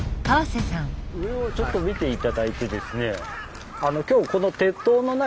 上をちょっと見て頂いてですね。